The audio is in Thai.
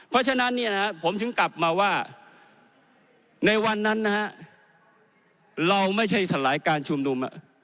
เพราะฉะนั้นผมถึงกลับมาว่าในวันนั้นนะฮะเราไม่ใช่สลายการชุมนุม